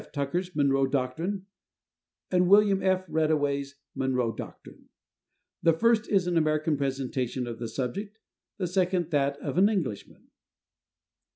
Tucker's "Monroe Doctrine," and William F. Reddaway's "Monroe Doctrine." The first is an American presentation of the subject; the second that of an Englishman.